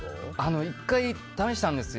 １回試したんですよ。